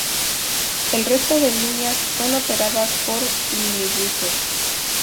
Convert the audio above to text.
El resto de líneas son operadas por minibuses.